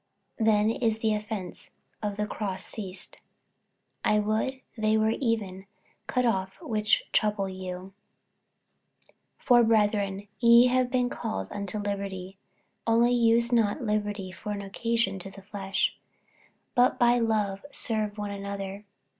then is the offence of the cross ceased. 48:005:012 I would they were even cut off which trouble you. 48:005:013 For, brethren, ye have been called unto liberty; only use not liberty for an occasion to the flesh, but by love serve one another.